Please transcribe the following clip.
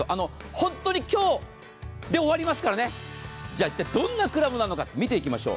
本当に今日で終わりますからね、一体どんなクラブなのか見ていきましょう。